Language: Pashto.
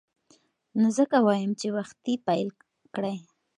نو ځکه وایم چې وختي پیل کړئ.